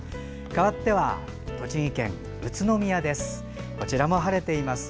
かわっては栃木県宇都宮です。